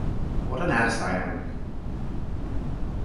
What an ass I am!